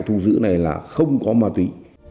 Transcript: thu giữ này là không có ma túy